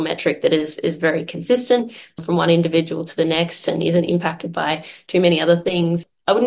mungkin akan memberikan hasil yang paling berharga